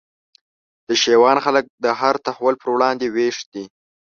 د شېوان خلک د هر تحول پر وړاندي ویښ دي